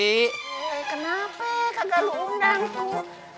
eh kenapa kagak lo undang tuh